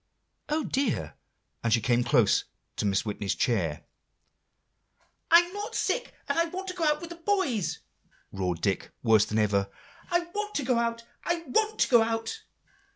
"Oh, dear!" and she came close to Mrs. Whitney's chair. "I'm not sick, and I want to go out with the boys," roared Dick, worse than ever. "I want to go out I want to go out."